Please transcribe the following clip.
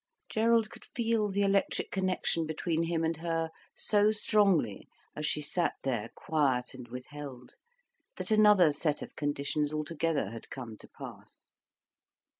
Gerald could feel the electric connection between him and her so strongly, as she sat there quiet and withheld, that another set of conditions altogether had come to pass.